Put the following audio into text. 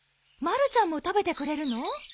まるちゃんも食べてくれるの？